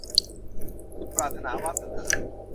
สุดปรารถนา - วาสนา